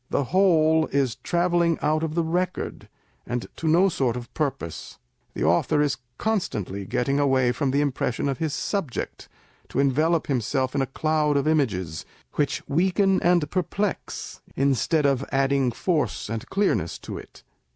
The whole is travelling out of the record, and to no sort of purpose. The author is constantly getting away from the impression of his subject, to envelope him self in a cloud of images, which weaken and perplex, instead of adding force and clearness to it.